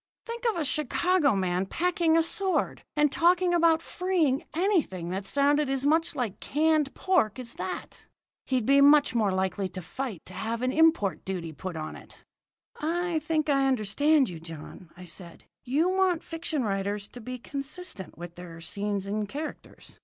"Think of a Chicago man packing a sword, and talking about freeing anything that sounded as much like canned pork as that! He'd be much more likely to fight to have an import duty put on it." "I think I understand you, John," said I. "You want fiction writers to be consistent with their scenes and characters.